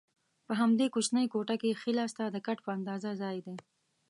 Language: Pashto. په همدې کوچنۍ کوټه کې ښي لاسته د کټ په اندازه ځای دی.